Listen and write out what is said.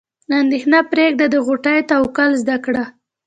اندیښنه پرېږده د غوټۍ توکل زده کړه.